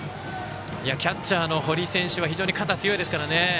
キャッチャーの、堀選手は非常に肩が強いですからね。